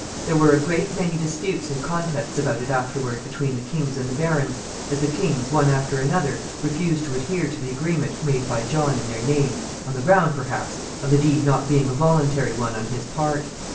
There were a great many disputes and contests about it afterward between the kings and the barons, as the kings, one after another, refused to adhere to the agreement made by John in their name, on the ground, perhaps, of the deed not being a voluntary one on his part.